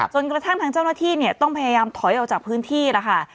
จนกระทั่งทางเจ้าหน้าที่เนี่ยต้องพยายามถอยออกจากพื้นที่แล้วค่ะ